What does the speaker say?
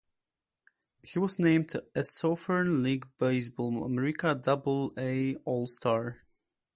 He was named a Southern League Baseball America Double-A All-Star.